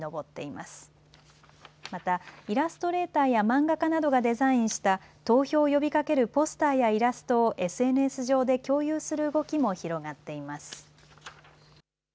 また、イラストレーターや漫画家などがデザインした投票を呼びかけるポスターやイラストをＳＮＳ上で共有する動きも広がっています。